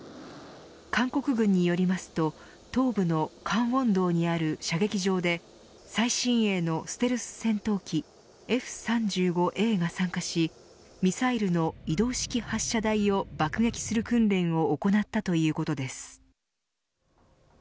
韓国軍によりますと東部の江原道にある射撃場で最新鋭のステルス戦闘機Ｆ３５Ａが参加しミサイルの移動式発射台を爆撃する訓練を行ったということです。